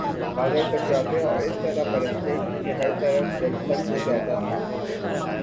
بادل بن جاتے اور اس طرح برستے کہ ہر طرف جل تھل ہو جاتا تھا